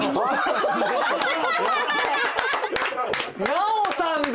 奈緒さんだ。